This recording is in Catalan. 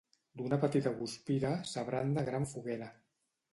D'una petita guspira s'abranda gran foguera.